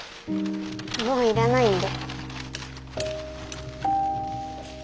もう要らないんで。